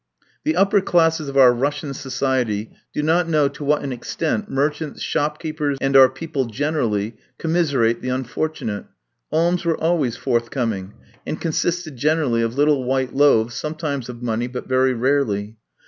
The upper classes of our Russian society do not know to what an extent merchants, shopkeepers, and our people generally, commiserate the "unfortunate!" Alms were always forthcoming, and consisted generally of little white loaves, sometimes of money, but very rarely.